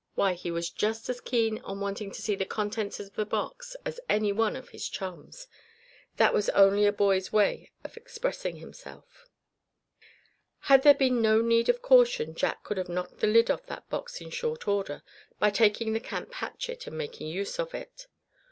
Why, he was just about as keen on wanting to see the contents of the box as any one of his chums. That was only a boy's way of expressing himself. Had there been no need of caution Jack could have knocked the lid off that box in short order, by taking the camp hatchet, and making use of it.